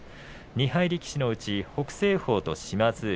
２敗力士のうち北青鵬と島津海